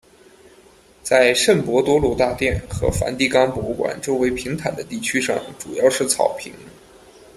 在圣伯多禄大殿和梵蒂冈博物馆周围平坦的地区上主要是草坪。